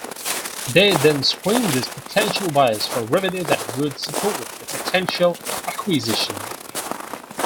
They then screen these potential buyers for revenue that would support the potential acquisition.